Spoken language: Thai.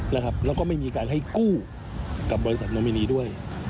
แล้วก็ไม่มีการให้กู้กับบริษัทนอมินีด้วย